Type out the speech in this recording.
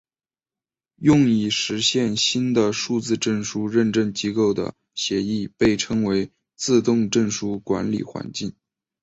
用以实现新的数字证书认证机构的协议被称为自动证书管理环境。